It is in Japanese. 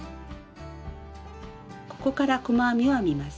ここから細編みを編みます。